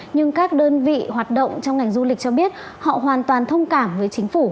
nhưng các đơn vị hoạt động trong ngành du lịch cho biết họ hoàn toàn thông cảm với chính phủ